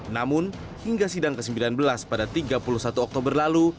namun hingga sidang ke sembilan belas pada tiga puluh satu oktober lalu